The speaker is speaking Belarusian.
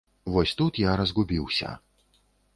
Вось тут я разгубіўся.